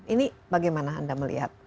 ini bagaimana anda melihat